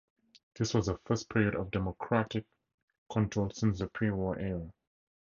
This was the first period of Democratic control since the pre-war era.